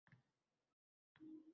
Ishlashga ham xorijga ketarmish